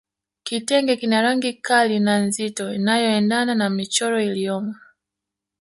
Kitenge kina rangi kali na nzito inayoendana na michoro iliyomo